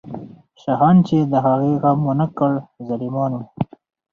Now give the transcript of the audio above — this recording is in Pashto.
شاهان چې د هغې غم ونه کړ، ظالمان وو.